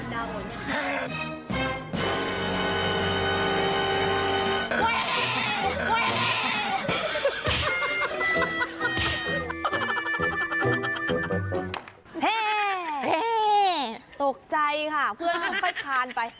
เฮ้ฮตกใจค่ะเพื่อนก็ค่อยคลานไป